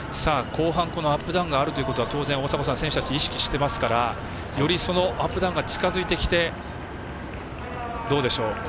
後半、アップダウンがあるということは当然選手たちは意識してますからよりアップダウンが近づいてきてどうでしょう？